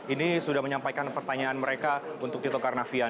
ini sudah menyampaikan pertanyaan mereka untuk tito karnavian